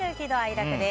楽です。